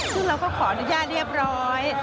ซึ่งเราก็ขออนุญาตเรียบร้อย